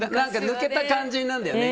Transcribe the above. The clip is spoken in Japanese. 抜けた感じになるんだよね。